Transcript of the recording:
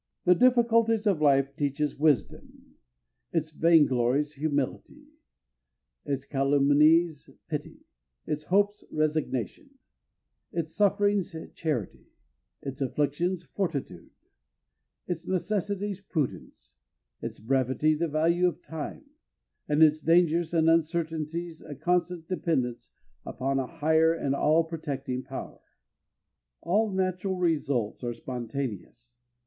The difficulties of life teach us wisdom, its vainglories humility, its calumnies pity, its hopes resignation, its sufferings charity, its afflictions fortitude, its necessities prudence, its brevity the value of time, and its dangers and uncertainties a constant dependence upon a higher and all protecting power. All natural results are spontaneous.